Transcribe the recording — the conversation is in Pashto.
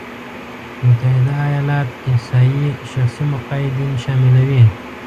متحده ایالات احصایې شخصي مقاعدين شاملوي.